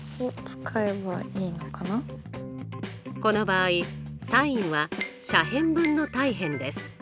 この場合ｓｉｎは斜辺分の対辺です。